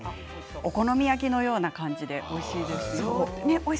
お好み焼きのような感じでおいしいです。